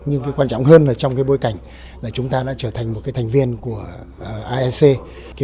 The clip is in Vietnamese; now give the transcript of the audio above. nhưng quan trọng hơn là trong bối cảnh chúng ta đã trở thành một thành viên của aec